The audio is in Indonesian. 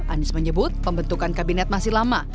anies menyebut pembentukan kabinet masih lama